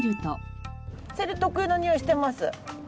セリ特有のにおいしてます。